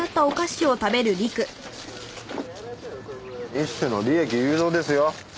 一種の利益誘導ですよ。